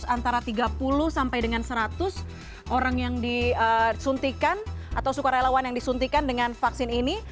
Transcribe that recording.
antara tiga puluh sampai dengan seratus orang yang disuntikan atau sukarelawan yang disuntikan dengan vaksin ini